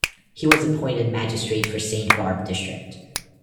He was appointed magistrate for Saint Barbe district.